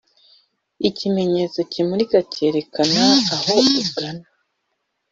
ikimenyetso kimurika cyerekana aho ugana